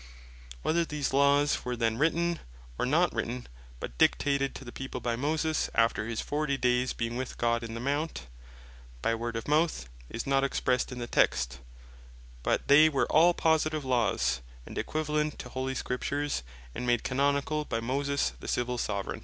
Whether these laws were then written, or not written, but dictated to the People by Moses (after his forty dayes being with God in the Mount) by word of mouth, is not expressed in the Text; but they were all positive Laws, and equivalent to holy Scripture, and made Canonicall by Moses the Civill Soveraign.